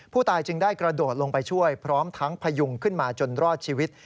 ผู้ตายจึงได้กระโดดลงไปช่วยพร้อมทั้งพยุงขึ้นมาจนรอดชีวิต